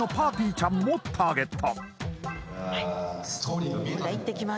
ちゃんもターゲット